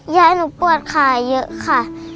ยายหนูปวดขาเยอะค่ะ